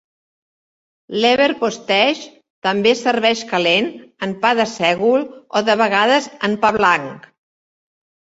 Leverpostej també es serveix calent en pa de sègol, o de vegades en pa blanc.